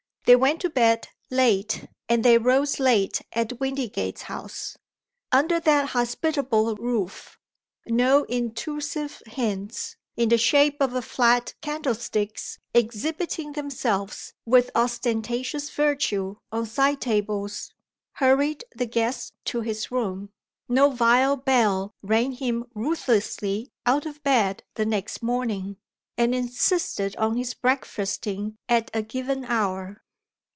They went to bed late and they rose late at Windygates House. Under that hospitable roof, no intrusive hints, in the shape of flat candlesticks exhibiting themselves with ostentatious virtue on side tables, hurried the guest to his room; no vile bell rang him ruthlessly out of bed the next morning, and insisted on his breakfasting at a given hour.